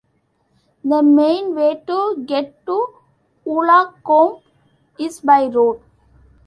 The main way to get to Woolacombe is by road.